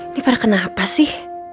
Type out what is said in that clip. ini pada kenapa sih